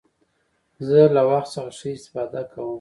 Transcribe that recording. زه له وخت څخه ښه استفاده کوم.